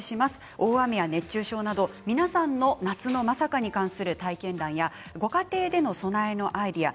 大雨、熱中症など皆さんの夏のまさかに関する体験談ご家庭での備えのアイデア